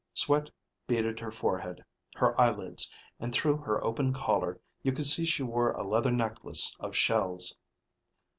Sweat beaded her forehead, her eyelids, and through her open collar you could see she wore a leather necklace of shells.